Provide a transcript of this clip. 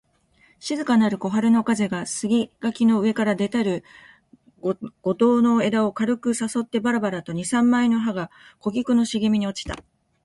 静かなる小春の風が、杉垣の上から出たる梧桐の枝を軽く誘ってばらばらと二三枚の葉が枯菊の茂みに落ちた